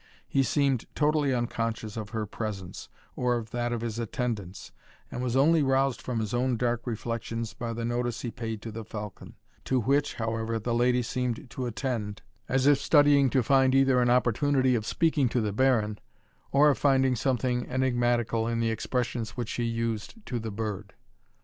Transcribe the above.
He seemed totally unconscious of her presence, or of that of his attendants, and was only roused from his own dark reflections by the notice he paid to the falcon, to which, however, the lady seemed to attend, as if studying to find either an opportunity of speaking to the Baron, or of finding something enigmatical in the expressions which he used to the bird.